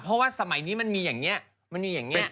สาวกวันนี้มีอีกมั้ย